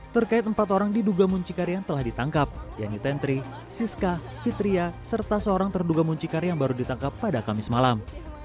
terkait empat orang diduga muncikari yang telah ditangkap yanni tentri siska fitria serta seorang terduga muncikari yang baru ditangkap pada kamis malam